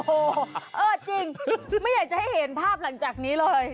โอ้โหเออจริงไม่อยากจะให้เห็นภาพหลังจากนี้เลย